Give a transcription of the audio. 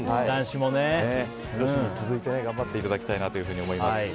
女子に続いて頑張っていただきたいなと思います。